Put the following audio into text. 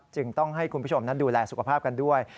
จึงต้องให้คุณผู้ชมนั้นดูแลสุขภาพกันด้วย